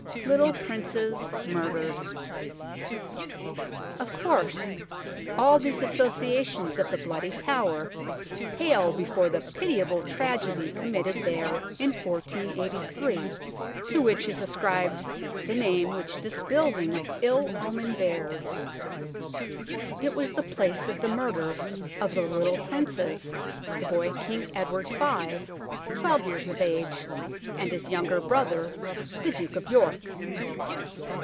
LITTLE PRINCES MURDERED Of course, all these associations of the Bloody Tower pale before the pitiable tragedy committed there in 1483, to which is ascribed the name which this building of 9 6 THE TOWER OF LONDON ill omen bears. It was the place of the murder of the little Princes, the boy King Edward V, twelve years of age, and his younger brother, the Duke of York.